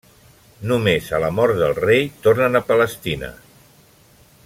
Només a la mort del rei tornen a Palestina.